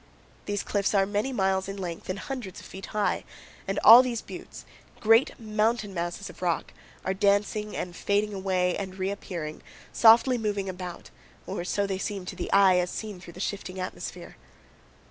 These cliffs are many miles in length and hundreds of feet high; and all these buttes great mountain masses of rock are dancing and fading away and reappearing, softly moving about, or so they seem to the eye as seen through the shifting atmosphere.